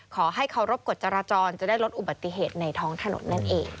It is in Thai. ขอให้เคารพกฎจราจรจะได้ลดอุบัติเหตุในท้องถนนนั่นเอง